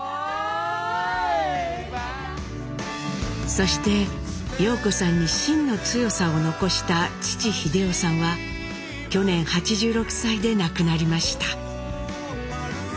そして陽子さんにしんの強さを残した父英夫さんは去年８６歳で亡くなりました。